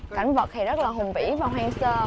cảnh vật thì rất là hùng vĩ và hoang sơ